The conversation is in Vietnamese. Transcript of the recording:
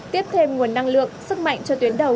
tiếp thêm nguồn năng lượng sức mạnh cho tuyến đầu